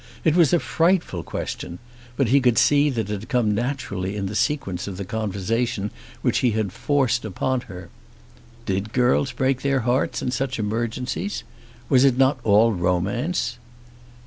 It was a frightful question; but he could see that it had come naturally in the sequence of the conversation which he had forced upon her. Did girls break their hearts in such emergencies? Was it not all romance?